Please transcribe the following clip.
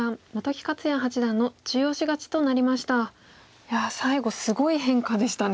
いや最後すごい変化でしたね。